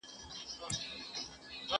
زه اوس سبزیحات وچوم!؟